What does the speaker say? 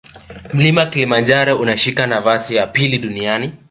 mlima kilimanjaro unashika nafasi ya pili duniani